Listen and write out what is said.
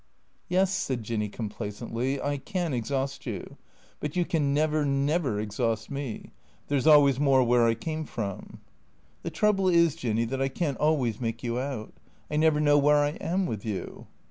" Yes," said Jinny complacently ;" I can exhaust you. But you can never, never exhaust me. There 's always more where I came from." " The trouble is, Jinny, that I can't always make you out. I never know where I am with you."